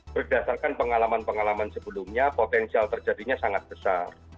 berdasarkan pengalaman pengalaman sebelumnya potensial terjadinya sangat besar